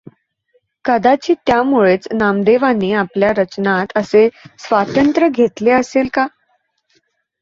कदाचित त्यामुळेच नामदेवांनी आपल्या रचनांत असे स्वातंत्र्य घेतले असेल का?